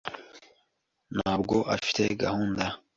ntabwo afite gahunda.